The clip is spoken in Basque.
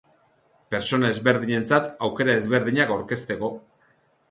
Pertsona ezberdinentzat aukera ezberdinak aurkezteko.